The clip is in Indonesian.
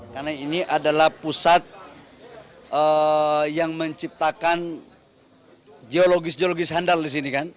karena ini adalah pusat yang menciptakan geologis geologis handal di sini kan